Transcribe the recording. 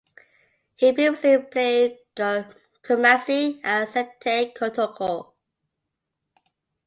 He previously played Kumasi Asante Kotoko.